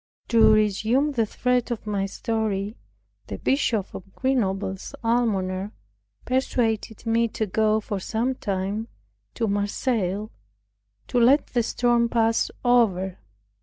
To resume the thread of my story, the Bishop of Grenoble's Almoner persuaded me to go for some time to Marseilles, to let the storm pass over.